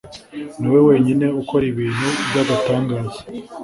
Ni wowe wenyine ukora ibintu by’agatangaza